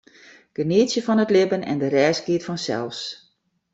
Genietsje fan it libben en de rest giet fansels.